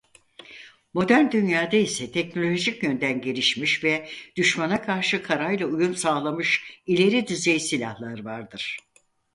Modern dünyada ise teknolojik yönden gelişmiş ve düşmana karşı karayla uyum sağlamış ileri düzey silahlar vardır.